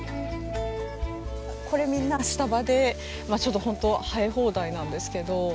これみんなアシタバでまあちょっと本当生え放題なんですけど。